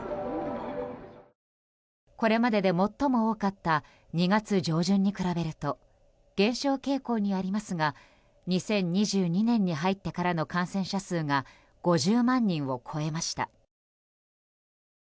これまでで最も多かった２月上旬に比べると減少傾向にありますが２０２２年に入ってからの感染者数が５０万人を超えました。